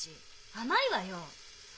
甘いわよ！